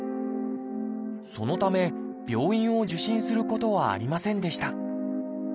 そのため病院を受診することはありませんでした。